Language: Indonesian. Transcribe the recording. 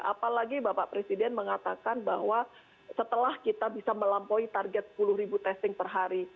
apalagi bapak presiden mengatakan bahwa setelah kita bisa melampaui target sepuluh ribu testing per hari